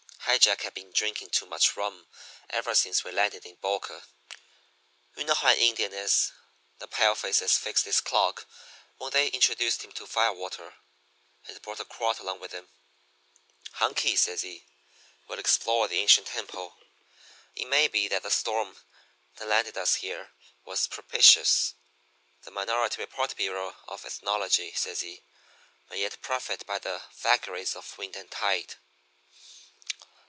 "High Jack had been drinking too much rum ever since we landed in Boca. You know how an Indian is the palefaces fixed his clock when they introduced him to firewater. He'd brought a quart along with him. "'Hunky,' says he, 'we'll explore the ancient temple. It may be that the storm that landed us here was propitious. The Minority Report Bureau of Ethnology,' says he, 'may yet profit by the vagaries of wind and tide.'